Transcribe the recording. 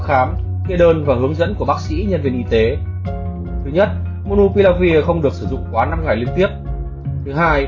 ba tháng sau liều monupiravir cuối cùng